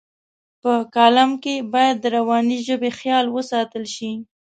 په کالم کې باید د روانې ژبې خیال وساتل شي.